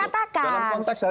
tapi kan tadi anda katakan